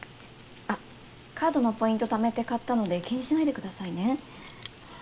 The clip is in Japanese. あカードのポイント貯めて買ったので気にしないでくださいね。